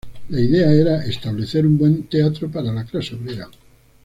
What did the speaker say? La idea era establecer un buen teatro para la clase obrera.